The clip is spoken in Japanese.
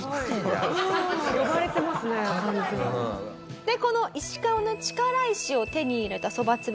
でこの『石川の力石』を手に入れたそばつぶさん